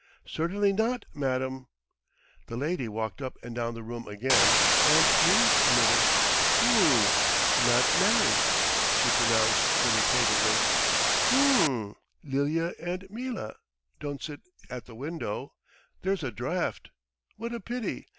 "Certainly not, madam." The lady walked up and down the room again and mused a little. "H'm, not married ..." she pronounced meditatively. "H'm. Lilya and Mila, don't sit at the window, there's a draught! What a pity!